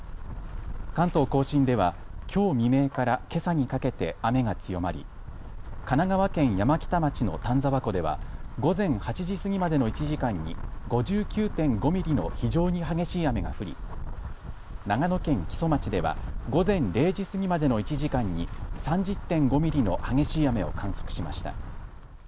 関東甲信では、きょう未明からけさにかけて雨が強まり神奈川県山北町の丹沢湖では午前８時過ぎまでの１時間に５９．５ミリの非常に激しい雨が降り長野県木曽町では午前０時過ぎまでの１時間に３０．５ミリの激しい雨を観測しました。